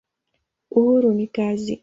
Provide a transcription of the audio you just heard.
Uhuru ni kazi.